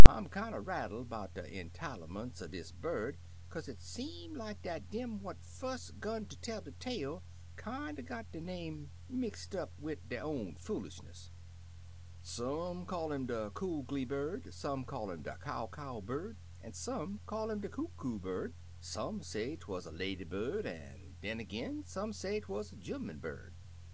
I 'm kinder rattled 'bout de entitlements er dis yer bird, kaze it seem like dat dem what fust 'gun ter tell de tale kinder got de name 132 The Most Beautiful Bird mixed up wid der own foolishness. Some call 'im de Coogly Bird, some call 'im de Cow Cow Bird, an' some call 'im de Coo Coo Bird — some say 'twuz a lady bird, an' den ag'in some say 'twuz a gemman bird.